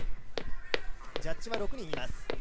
ジャッジは６人います。